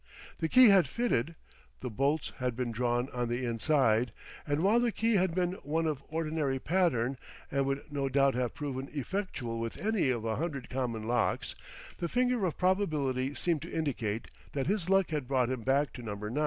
The key had fitted; the bolts had been drawn on the inside; and while the key had been one of ordinary pattern and would no doubt have proven effectual with any one of a hundred common locks, the finger of probability seemed to indicate that his luck had brought him back to Number 9.